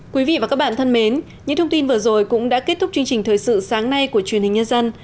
quý vị và các bạn thân mến những thông tin vừa rồi cũng đã kết thúc chương trình thời sự sáng nay của truyền hình nhân dân